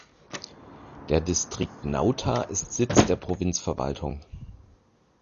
Der Distrikt Nauta ist Sitz der Provinzverwaltung.